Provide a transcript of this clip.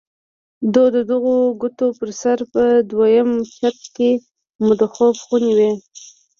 د دغو کوټو پر سر په دويم چت کښې مو د خوب خونې وې.